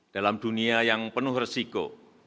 dalam dunia yang penuh resiko